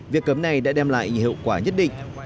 việc cấm này đã đem lại những hậu quả nhất định